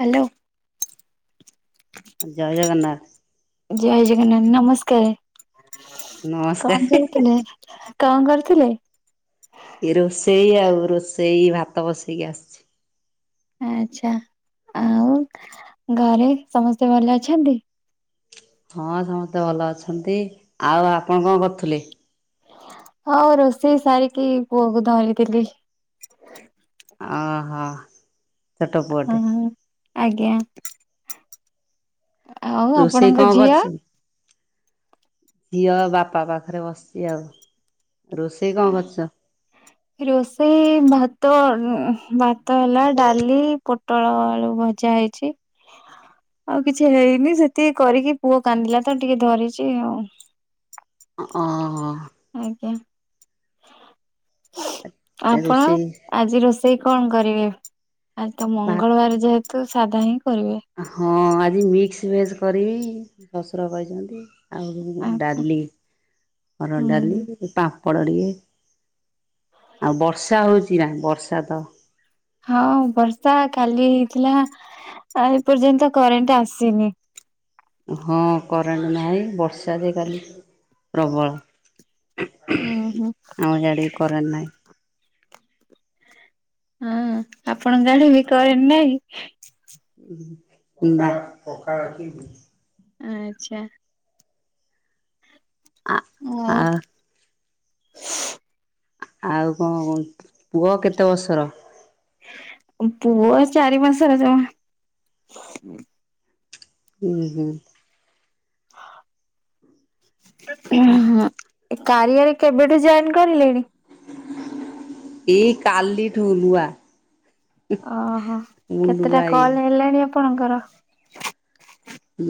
Hello. ଜୟ ଜଗନ୍ନାଥ। ଜୟ ଜଗନ୍ନାଥ ନମସ୍କାର। କଣ ନମସ୍କାର। କରହୁଥିଲେ? କଣ କରୁଥିଲେ? ଏଇ ରୋଷେଇ ଆଉ ରୋଷେଇ ଭାତ ବସେଇକି ଆସିଚି। ଆଚ୍ଛା। ଆଉ ଘରେ ସମସ୍ତେ ଭଲ ଅଛନ୍ତି? ହଁ ସମସ୍ତେ ଭଲ ଅଛନ୍ତି। ଆଉ ଆପଣ କଣ କରୁଥିଲେ? ହଁ ମୁଁ ରୋଷେଇ ସାରିକି ପୁଅ କୁ ଧରିଥିଲି। ଓହୋ ଛୋଟ ପୁଅଟେ। ହଁ ଆଜ୍ଞା। ଆଉ ରୋଷେଇ ଆପଣଙ୍କ କଣ ଝିଅ? କରିଚୁ? ଝିଅ ବାପା ପାଖରେ ବସିଚି ଆଉ। ରୋଷେଇ କଣ କରିଚ? ରୋଷେଇ ଭାତ ଭାତ ହେଲା ଡାଲି ପୋଟଳ ଆଳୁ ଭଜା ହେଇଚି। ଆଉ କିଛି ହେଇନି। ସେତିକି କରିକି ପୁଅ କାନ୍ଦିଲା ତ ଟିକେ ଧରିଚି ଆଉ। [inaudible] ଅ ହଁ। ଆଜ୍ଞା। ଆପଣ ରୋଷେଇ ଆଜି ରୋଷ ସେଇ କଣ କରିବେ? ଆଜି ତ ଭା ମଙ୍ଗଳବାର ଯେହେତୁ ସାଧା ହିଁ କରିବେ। ହଁ ଆଜି ମିକ୍ସ ଭେଜ କରିବି ଶଶୁର କହିଛନ୍ତି। ଆଉ ଆଚ୍ଛା ଡାଲି ହରଡ ଡାଲି। ହୁଁ ପାମ୍ପ ପଡ ଟିକେ। ଆଉ ବର୍ଷା ହଉଛି ନା ବର୍ଷା ତ ହଁ ବର୍ଷା କାଲି ହେଇଥିଲା। ଆ ଏପର୍ଯ୍ୟନ୍ତ କରେଣ୍ଟ ଆସିନି ହଁ କରେଣ୍ଟ ନାହିଁ ବର୍ଷା ଯେ କାଲି ପ୍ରବଳ ହୁଁ ହୁଁ। ଆଉ ଜାଡ ବି କରନ ନହିଁ [unintelligible] ହଁ ଆପଣ ଜାଣିବ କନ ନାଇଁ ନା କକା ରଖିବି [unintelligible] ଆଚ୍ଛା ଅ ଅ ଆଉ [unintelligible] [inaudible] ଆଉ କଣ କ ପୁଅ କେତେ ବର୍ଷର ପୁଅ ଚାରି ମାସରେ ଯମା ହୁ ହୁ ଁ କାରିଆରେ କେବେଠୁ ଜଏନ୍ କରିଲେଣି ଏଇ କାଲି ଠୁ ନୂଆ ଓହୋ ମୁଁ କେତେଟା ନୂଆ ଇଏ। କଲ୍ ହେଲେଣି ଆପଣଙ୍କର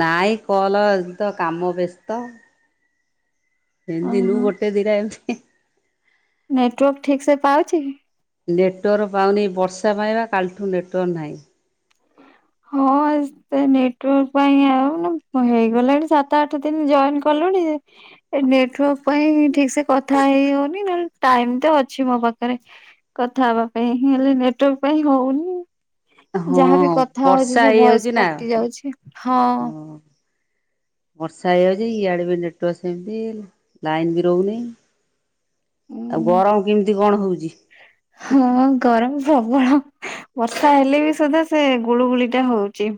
ନାଇଁ କଲ ଏ ତ କାମ ବ୍ୟସ୍ତ ଦିନକୁ ଓହୋ। ଗୋଟେ ଦିଟା ଏମିତି ନେଟୱାର୍କ ଠିକ୍ ସେ ପାଉଛି ନେଟୱାର୍କ ପାଉନି ବର୍ଷା ପାଇବା କାଲିଠୁ ନେଟୱାର୍କ ନାହିଁ ହଁ ନେଟାର୍ ପାଇଁ ଆଉ ମାନ ହେଇଗଲାଣି ସାତ ଆଠ ଦିନ ଜଏ କଲେ ନେଟୱାର୍କ ପାଇଁ ଠିକ ସେ କଥା ହେଇ ହଉନି ନେଲେ ଟାଇମ ତ ଅଛି ମୋ ପାଖରେ କଥା ହବା ପାଇଁ ହେଲେ ନେଟୱାର୍କ ପାଇଁ ହଉନି ହଁ ଯାହାବିଥା ହଉଛି ବର୍ଷା ସେ ଭୟସ ହେଇଯାଉଛି ନା। କଟି ଯାଉଛି ହଁ ବର୍ଷା ହେଇଯାଉଛି ଇଆଡେ ବି ନେଟ ସେମିତି ଲାଇନ ବି ରହୁନି ଆଉ ଉଁ ଗରମ କେମିତି କଣ ହଉଛି ହଁ ଗରମ ପ୍ରବଳ ବର୍ଷା ହେଲେ ବି ସୁଧା ସେ ଗୁଳୁ ଗୁଳି ଟା ହଉଛି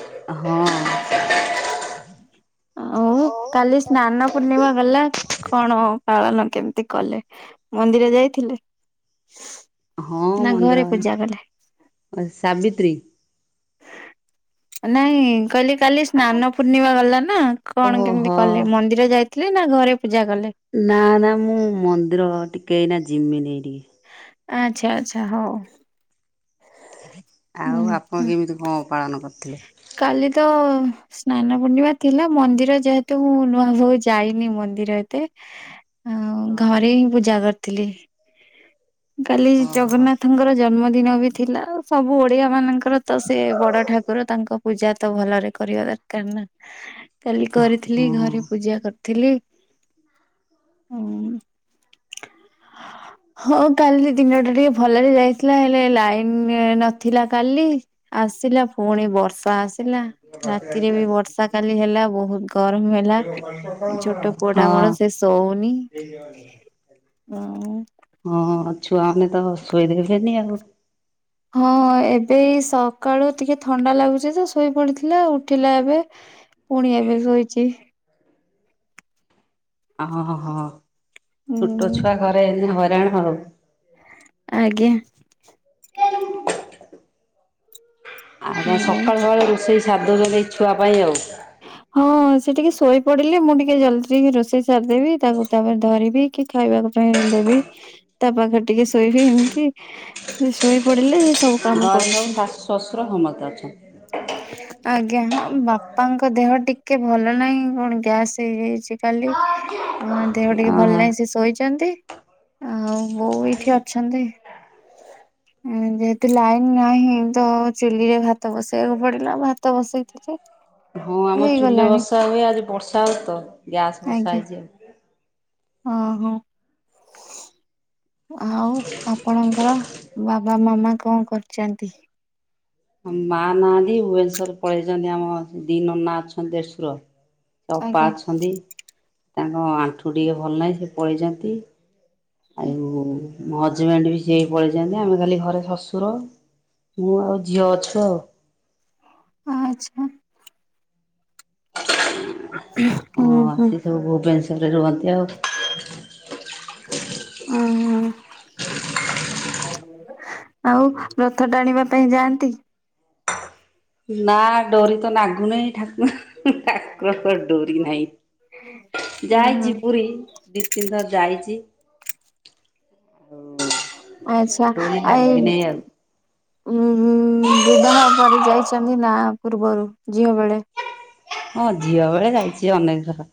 ହଁ ଆଉ ହଁ କାଲି ସ୍ନାନ ପୂର୍ଣ୍ଣିମା ଗଲା କଣ ପାଳନ କେମିତି କଲେ ମନ୍ଦିର ଯାଇଥିଲେ ନା ଘରେ ମନ୍ଦର ପୂଜା କଲେ ସାବିତ୍ରୀ ନାଇଁ କହିଲି କାଲି ସ୍ନାନ ପୂର୍ଣ୍ଣିମା ଗଲାନ ନା କଣ କେମିତି ଓହୋ। କଲେ ମନ୍ଦିର ଯାଇଥିଲେ ନା ଘରେ ପୂଜା କଲେ? ନା ନା ମୁଁ ମନ୍ଦିର ଟିକେ ଏ ନା ଜିମିନି ଟିକେ ଆଚଛା ଆଚଛା ହଉ ଆଉ ଆପଣ ହୁଁ କେମିତି କଣ ପାଳନ କରୁ କାଲି ତ ସ୍ନାନ ପୂର୍ଣ୍ଣିମା ଥିଲା ମନ୍ଦିର ଯେହେତୁ ମୁଁ ନୂଆ ବଉ ଯାଇନି ମନ୍ଦିର ଏତେ ଆଉ ହଁ ଘରେ ହିଁ ପୂଜା କରିଥିଲି କାଲି ଓହୋ ଜଗନ୍ନାଥଙ୍କର ଜନ୍ମଦିନ ଦିନ ବି ଥିଲା ସବୁ ଓଡ଼ିଆ ମାନଙ୍କର ତ ସେ ବଡ଼ ଠାକୁର ତାଙ୍କ ପୂଜା ତ ଭଲରେ କରିବା ଦକାର ଦରକାର ନା କାଲି କରିଥିଲି ହଁ ଘରେ ପୂଜା କରି ଥିଲି ହ ହଉ କାଲି ଦିନଟା ଟିକେ ଭଲରେ ଯାଇଥିଲା ହେଲେ ଲାଇନ ନଥିଲା କାଲି ଆସିଲା ପୁଣି ବର୍ତ୍ ଆସିଲା ରାତିରେ ବି ବର୍ଷା କାଲି ହେଲା ବହୁତ ଗରମ ହେଲା ଛୋଟ ପ ଟାମର ହଁ ଶେଷ ହଉନି ହ ଛୁଆମ ନ ତ ସୋଇ ଦେଇ ଫେରନ ଆ ହଁ ଏବେ ସକାଳୁ ଟିକେ ଥଣ୍ଡା ଲାଗୁଛି ତ ଶୋଇ ପଡିଥିଲା ଉଠିଲା ଏବେ ପୁଣିଆ ବି ଶୋଇଛି ଓ ହୋ ଛୋଟ ହୁଁ ଛୁଆ ଘରେ ଏନ ହଇରାଣ ହଉ ଆଜ୍ଞା ଆଜ୍ଞା, ହୁଁ ସକାଳୁ ସକାଳେ ରୋଷେଇ ସାରି ଦେଲେ ଛୁଆ ପାଇଁ ଆଉ ହଁ ସେ ଟିକେ ଶୋଇ ପଡିଲେ ମୁଁ ଟିକେ ଜଲଦି ଟିକେ ରୋଷେଇ ସାରିଦେବି, ତାକୁ ତାପରେ ଧରିବି। କି ଖାଇବା ପାଇଁ ଦେବି, ତା ପାଖ ଟିକେ ଶୋଇବି, ଏମତି ସେ ଶୋଇ ପଡିଲେ ସବୁ କାମ ଘରେ ସବୁ କରୁଛି, ଶାଶୁ ଶ୍ୱଶୁର ସମସ୍ତେ ଅଛନ୍ତି। ଆଜ୍ଞା ହଁ ବାପ ବାପାଙ୍କ ଦେହ ଟିକେ ଭଲ ନାହିଁ, କଣ ଗ୍ୟାସ୍ ହେଇଯାଇଛି କାଲି ଅ ଦେହ ଟିକେ ଭଲ ଓହୋ। ନାହିଁ ସେ ଶୋଇଛନ୍ତି ଆଉ ବୋଉ ଏଇଠି ଅଛନ୍ତି। [unintelligible] ଯେହେତୁ ଲାଇନ ନାହିଁ, ତ ଚୁଲିରେ ଭାତ ବସେଇବାକୁ ପଡିଲା ଭାତ ବସେଇ ହଁ ଆମ ଚୁଲେ ବସା ହୁଏ ଆଜି ବର୍ଷା ହ ତ ଗ୍ୟାସ ବସା ଆଜ୍ଞା ହେଇଛି ହଁ ହଁ ଆଉ ଆପଣଙ୍କର ବାବା ମାମା କଣ କରିଛନ୍ତି? ମା ନାହାନ୍ତି ଭୁବନେଶ୍ଵର ପଳେଇଛନ୍ତି, ଆମ ଦିି ନନା ଅଛନ୍ତି ଦେଢଶୁର ସେ ଅପା ଆଜ୍ଞା ଅଛନ୍ତି ତାଙ୍କ ଆଣ୍ଠୁ ଟିକେ ଭଲ ନାହିଁ ସେ ପଳେଇଛନ୍ତି। ଆଉ ହଜବେଣ୍ଡ ବି ସିଏ ପଳେଇଛନ୍ତି, ଆମେ ଖାଲି ଘରେ ଶ୍ୱଶୁର ମୁଁ ଆଉ ଝିଅ ଅଛୁ ଆଉ ଆଛା। ହୁଁ ହଁ ହୁଁ ସେ ସବୁ ଭୁବନେଶ୍ୱ [unintelligible] ରୁହନ୍ତି ଆଉ। ହଁ ଅଁ ଆଉ ରଥ ଟାଣିବା ପାଇଁ ଯାଆନ୍ତି। ନା ଡୋରି ତ ନାଗୁନେଇ ଠାକୁର [unintelligible] ଡୋରି ନାହିଁ, ଉଁ ହୁଁ ଯାଇଚି ପୁରୀ ଦି ତିନି ଥର ଯାଇଚି। ଆଛା ଡୋରି ଆ, ଲାଗିନେଇ ଆଉ। ଏଇ ଉ ବିବାହ ପରେ ଯାଇଛନ୍ତି ନା ପୂର୍ବରୁ ଝିଅ ବେଳେ। ହଁ ଝିଅ ବେଳେ ଯାଇଛି ଅନେକ ଥର।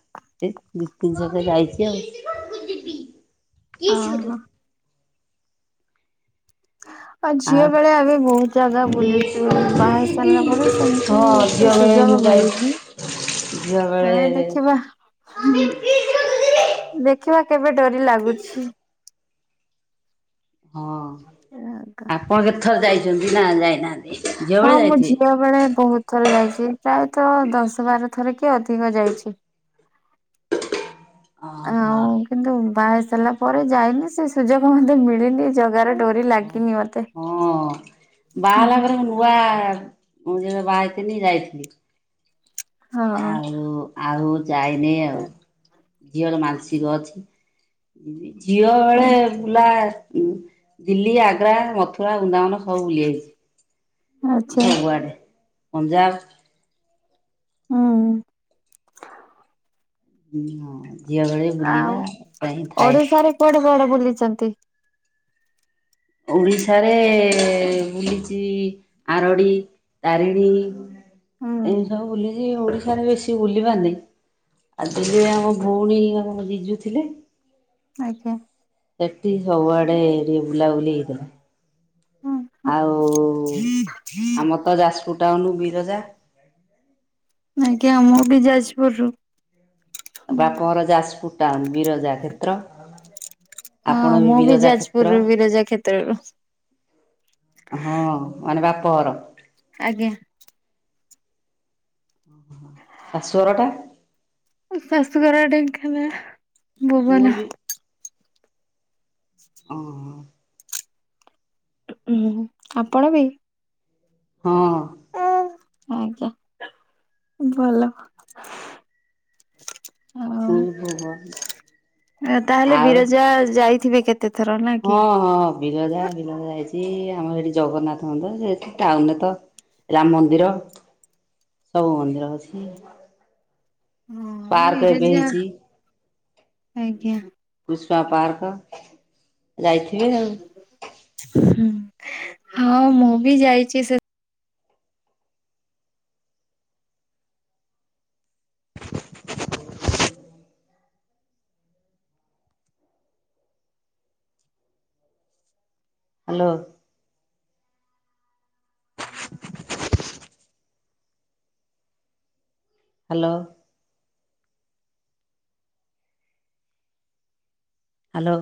ଏ ତିନି ଚାରି ଥର ଯାଇଛି ଆଉ। ଓହୋ। ଆଉ ଝିଅ ବେଳେ ଆମେ ବହୁତ ଜାଗା ବୁଲିଛୁ ବାହେଇ ସାରିଲା ପରେ ସେମିତି ହଁ ଏତେ ଝିଅ ବେଳେ ସୁଯୋଗ ମୁଁ ଯାଇଛି ମିଳିନି, ଝିଅ ହଁ ବେଳେ ଦେଖିବା। ଦେଖିବା କେବେ ଡୋରି ଲାଗୁଛି ହଁ ଆପଣ କେତଥର ଯାଇଛନ୍ତି ନା ଯାଇନାହାନ୍ତି? ଝିଅ ହଁ ବେଳେ ମୁଁ ଯାଇଥିବେ? ଝିଅ ବେଳେ ବହୁତ ଥର ଯାଇଛି ପ୍ରାୟତଃ ଦଶ ବାର ଥରେ କିଏ ଅଧିକ ଯାଇଛି। ଓହୋ ଆଉ କିନ୍ତୁ ବାହେଇ ସାରିଲା ପରେ ଯାଇନି ସେ ସୁଯୋଗ ମତେ ମିଳିନି ଜଗାର ଡୋରି ଓ ଲାଗିନି ମତେ। ହୋ ବାହେଲା ପରେ ନୂଆ ମୁଁ ଯେବେ ବାହେଇଥିନି ଯାଇଥିନି। ହଁ ଆଉ, ଆଉ ଯାଇନି ଆଉ, ଝିଅର ମାନସିକ ଅଛି। ଝିଅ ବେଳେ ବୁଲା ଉ ଦିଲ୍ଲୀ, ଆଗ୍ରା, ମଥୁରା ବୃନ୍ଦାବନ ସବୁୁ ବୁଲିଆଇଚି, ଆଚ୍ଛା ସବୁଆଡେ ପଞ୍ଜାବ। ହଉ ହଉ ହଁ ଝିଅ ବେଳେ ବୁଲିବା ପାଇଁ ଥାଏ। ବୁଲିଚନ୍ତି। ଓଡିଶାରେ ବୁଲିଛି ଆରଡି ତାରିଣୀ, ହୁଁ ଏମିତି ସବୁ ବୁଲିଛି ଓଡିଶାରେ ବେଶୀ ବୁଲି ପାରିନି। ଆ ଦିଲ୍ଲୀରେ ଆମ ଭଉଣୀ ଆମ ଜିଜୁ ଥିଲେ। ଆଜ୍ଞା ସେଠି ସବୁଆଡେ ଏରି ବୁଲାବୁଲି ହେଇଥିଲା। ଆଉ ଆମର ତ ଯାଜପୁର ଟାଉନ ବିରଜା। ଆଜ୍ଞା, ମୁ ବି ଯାଜପୁରରୁୁ ବାପଘର ଯାଜପୁର ଟାଉନ୍ ବିରଜା କ୍ଷେତ୍ର। ହଁ ଆପଣ ମୁଁ ବି ବିରଜା କ୍ଷେତ୍ର ଯାଜପୁରରୁ ବିରଜା କ୍ଷେତ୍ରରୁ। ହଁ ମାନେ ବାପଘର। ଆଜ୍ଞା। ଅଁ, ହଁ, ଶାଶୁଘର ଟା? ମୋ ଶାଶୁଘର ଢେଙ୍କାନାଳ ମୋର ଭୁବନ। ଅଁ, ହଁ। ତ ଉଁ, ହୁଁ, ଆପଣ ବି? ହଁ। ଆଜ୍ଞା, ଭଲ। ଆଉ ମୁଁ ବି ଭୁବନ ଅ, ତାହେଲେ ଆଉ ବିରଜା ଯାଇ ହଁ ହଁ ବିରଜା ବିରଜା ଯାଇଛି। ଆମର ସେଠି ଜଗନ୍ନାଥ ମନ୍ଦିର, ସେଠି ଟାଉନ୍ ରେ ତ ରାମ ମନ୍ଦିର। ସବୁ ମନ୍ଦିର ଅଛି। ହଁ ପାର୍କ ଏବେ ବିରଜା ହେଇଚି। ଆଜ୍ଞା। କୁସୁଆ ପାର୍କ ଯାଇଥି ହୁଁ, ହଁ ମୁଁ ବି ଯାଇଚି ସେ ହାଲୋ। ହାଲୋ। ହାଲୋ।